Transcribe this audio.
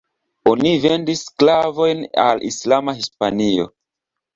Oni vendis sklavojn al islama Hispanio.